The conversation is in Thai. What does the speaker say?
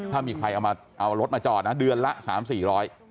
ถ้ามีใครเอามาเอารถมาจอดนะเดือนละ๓๔๐๐บาท